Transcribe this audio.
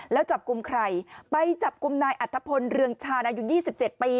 แล้วจับกลุ่มใครไปจับกลุ่มนายอัธพลเรืองชาญอายุ๒๗ปี